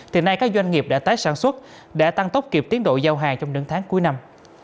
thì nay các doanh nghiệp đã tái sản xuất đã tăng tốc kịp tiến độ giao hàng trong những tháng cuối năm